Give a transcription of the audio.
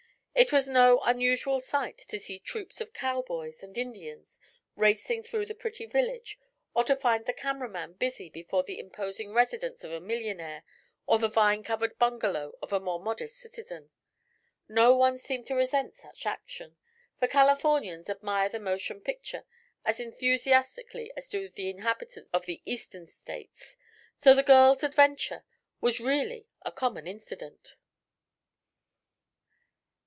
It was no unusual sight to see troops of cowboys and Indians racing through the pretty village or to find the cameraman busy before the imposing residence of a millionaire or the vine covered bungalow of a more modest citizen. No one seemed to resent such action, for Californians admire the motion picture as enthusiastically as do the inhabitants of the Eastern states, so the girls' "adventure" was really a common incident.